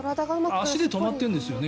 足で止まってるんですよね。